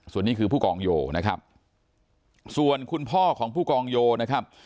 ส่วนนี้คือผู้กองโยนะครับส่วนคุณพ่อของผู้กองโยนะครับ